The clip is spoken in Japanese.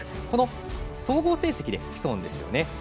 この総合成績で競うんですね。